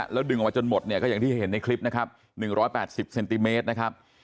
แล้วดึงออกมาจนหมดเนี่ยก็อย่างที่เห็นในคลิปนะครับ๑๘๐เซนติเมตรนะครับ